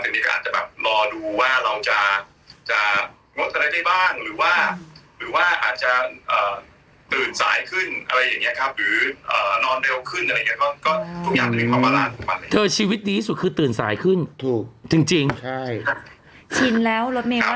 เสียงการกระทำและจิตใจมันยังอยู่กับเธออีกเยอะเธอยังตายยาก